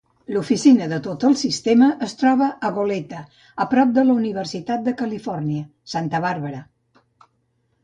L'oficina de tot el sistema es troba a Goleta, a prop de la Universitat de Califòrnia, Santa Bàrbara.